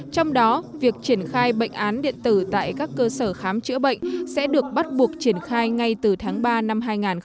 trong đó việc triển khai bệnh án điện tử tại các cơ sở khám chữa bệnh sẽ được bắt buộc triển khai ngay từ tháng ba năm hai nghìn hai mươi